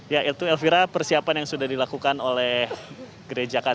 ya itu elvira persiapan yang sudah dilakukan oleh gereja katedral santo pancasila